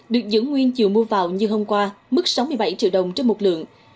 được giữ nguyên chiều mua vào như hôm qua mức sáu mươi bảy triệu đồng trên một lượng